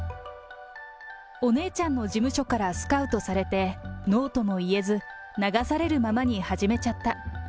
お姉ちゃんの事務所からスカウトされて、ノーとも言えず、流されるままに始めちゃった。